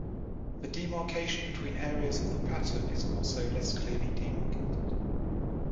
The demarcation between areas of the pattern is also less clearly demarcated.